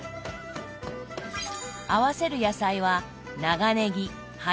合わせる野菜は長ねぎ葉